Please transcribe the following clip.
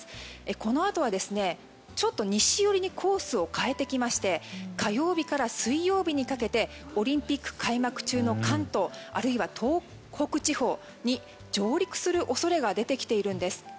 このあとはちょっと西寄りにコースを変えてきまして火曜日から水曜日にかけてオリンピック開幕中の関東、あるいは東北地方に上陸する恐れが出てきているんです。